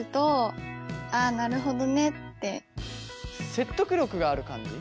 説得力がある感じ？